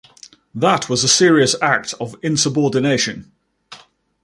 That was a serious act of insubordination.